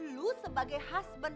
lo sebagai husband